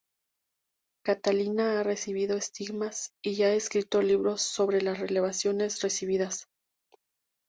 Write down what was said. Catalina ha recibido estigmas y ha escrito libros sobre las revelaciones recibidas.